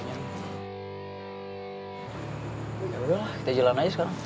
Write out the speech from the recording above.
yaudah lah kita jalan aja sekarang